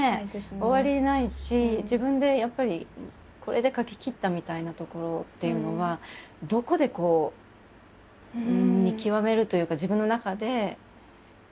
終わりないし自分でやっぱりこれで書ききったみたいなところっていうのはどこで見極めるというか自分の中で納得するというかなのかしら？と。